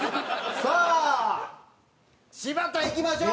さあ柴田いきましょう。